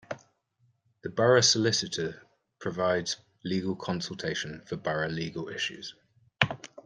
The borough solicitor provides legal consultation for borough legal issues.